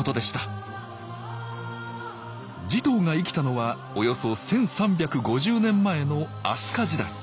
持統が生きたのはおよそ１，３５０年前の飛鳥時代。